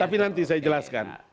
tapi nanti saya jelaskan